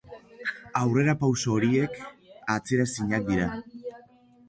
Aurrerapauso horiek atzeraezinak dira.